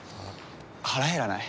腹減らない？